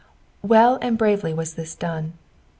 Well and bravely was this done.